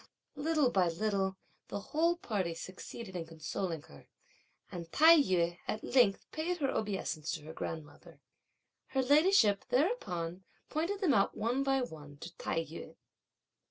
Little by little the whole party succeeded in consoling her, and Tai yü at length paid her obeisance to her grandmother. Her ladyship thereupon pointed them out one by one to Tai yü.